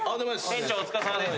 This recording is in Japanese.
店長お疲れさまです。